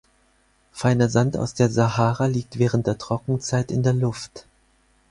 Feiner Sand aus der Sahara liegt während der Trockenzeit in der Luft.